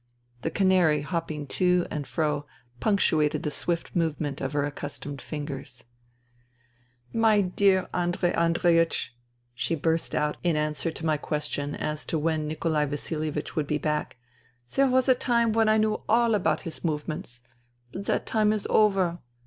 The canary hopping to and fro punctuated the swift movement of her accustomed fingers. " My dear Andrei Andreiech," she burst out in answer to my question as to when Nikolai Vasilievich would be back, " there was a time when I knew all about his movements. But that time is over.